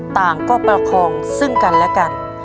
ต่างก็ประคองซึ่งกันและกัน